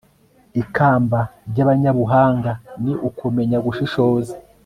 ikamba ry'abanyabuhanga ni ukumenya gushishoza